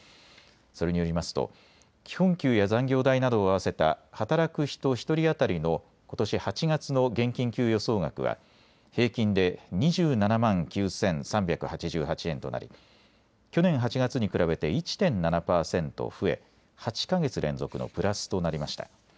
それによりますと基本給や残業代などを合わせた働く人１人当たりのことし８月の現金給与総額は平均で２７万９３８８円となり去年８月に比べて１．７％増え８か月連続のプラスとなりました。